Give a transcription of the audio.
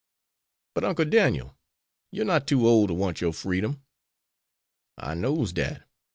"But, Uncle Daniel, you're not too old to want your freedom?" "I knows dat.